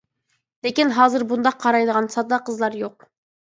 لېكىن ھازىر بۇنداق قارايدىغان ساددا قىزلار يوق.